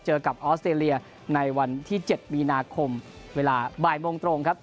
เจอกับออสเตรเลียในวันที่๗มีนาคมเวลาบ่ายโมงตรงครับ